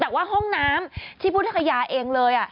แต่ว่าห้องน้ำที่พุทธคยาเองเลย